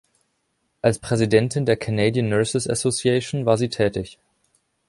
Als Präsidentin der Canadian Nurses Association war sie tätig.